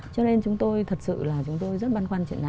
cho nên chúng tôi thật sự là chúng tôi rất băn khoăn chuyện này